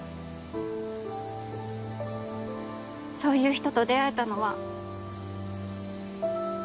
そういう人と出会えたのは。